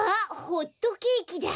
ホットケーキだ！